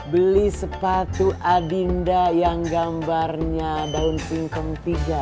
beli sepatu adinda yang gambarnya daun pingkong tiga